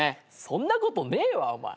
そんなことねえわお前。